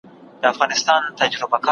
کتابتون له کتابتون ښه دی!